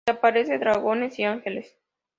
Desaparece dragones y ángeles.